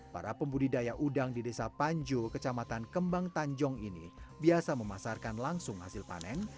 para pembudidaya udang di desa panjo kecamatan kembang tanjong ini biasa memasarkan langsung hasil panen